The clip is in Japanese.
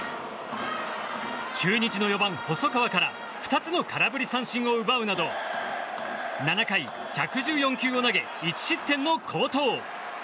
中日の４番、細川から２つの空振り三振を奪うなど７回１１４球を投げ１失点の好投。